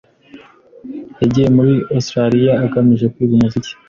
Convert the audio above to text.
Yagiye muri Otirishiya agamije kwiga umuziki.